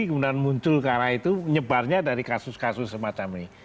kemudian muncul karena itu menyebarnya dari kasus kasus semacam ini